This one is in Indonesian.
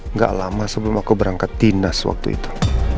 nggak lama sebelum aku berangkat dinas waktu itu